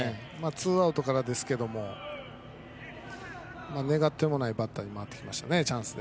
ツーアウトからですけれども願ってもないバッターに回ってきましたね、チャンスで。